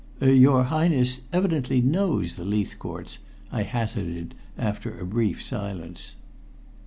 "Your Highness evidently knows the Leithcourts," I hazarded, after a brief silence.